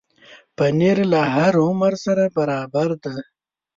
پنېر له هر عمر سره برابر دی.